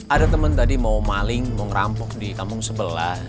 ada teman tadi mau maling mau ngerampok di kampung sebelah